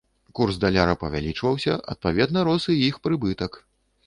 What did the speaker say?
Курс даляра павялічваўся, адпаведна, рос і іх прыбытак.